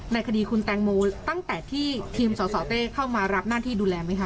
คดีคุณแตงโมตั้งแต่ที่ทีมสสเต้เข้ามารับหน้าที่ดูแลไหมคะ